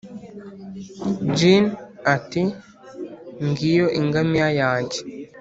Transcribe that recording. djinn, ati: 'ngiyo ingamiya yanjye,